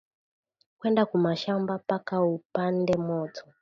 Kwenda ku mashamba paka u pande moto